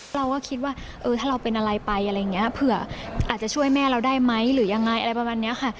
เราก็คิดว่าเออถ้าเราเป็นอะไรไปอะไรอย่างนี้เผื่ออาจจะช่วยแม่เราได้ไหมหรือยังไงอะไรประมาณนี้ค่ะ